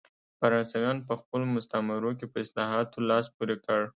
فرانسویانو په خپلو مستعمرو کې په اصلاحاتو لاس پورې کړ.